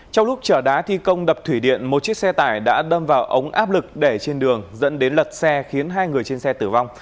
trong lúc chở đá thi công đập thủy điện một chiếc xe tải đã đâm vào ống áp lực để trên đường dẫn đến lật xe khiến hai người trên xe tử vong